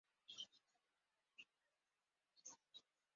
“And shall you go to Derby?” asked Paul.